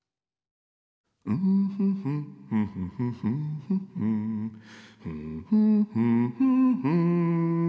「フフフンフフフフフフンフフフフフン」